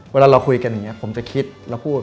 เวลาเราคุยกันอย่างนี้ผมจะคิดแล้วพูด